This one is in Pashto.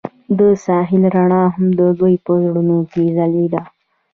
د ساحل رڼا هم د دوی په زړونو کې ځلېده.